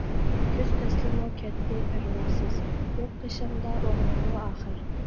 كۈز پەسلىمۇ كەتتى پەرۋاسىز، يوق قېشىڭدا ئوغلۇڭمۇ ئاخىر.